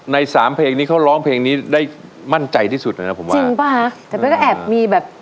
ในสามเพลงนี้เขาร้องเพลงนี้ได้มั่นใจที่สุดเลยนะผมว่าจริงป่ะฮะแต่เป้ก็แอบมีแบบ